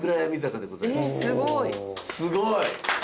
すごい！